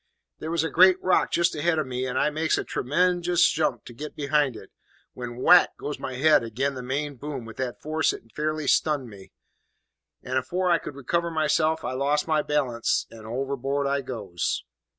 "There was a great rock just ahead of me; and I makes a tremenjous jump to get behind it, when whack goes my head ag'in' the main boom with that force it fairly stunned me, and afore I could recover myself I lost my balance, and overboard I goes.